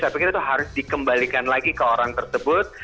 saya pikir itu harus dikembalikan lagi ke orang tersebut